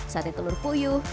sate telur puyuh